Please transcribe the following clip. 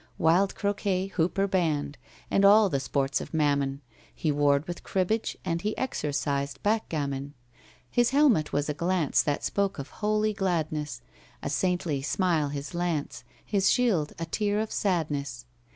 Wild croquêt HOOPER banned, And all the sports of Mammon, He warred with cribbage, and He exorcised backgammon. His helmet was a glance That spoke of holy gladness; A saintly smile his lance; His shield a tear of sadness.